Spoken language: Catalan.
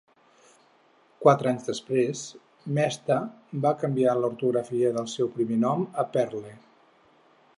Quatre anys després, Mesta va canviar l'ortografia del seu primer nom a Perle.